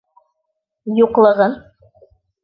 Юҡлығын.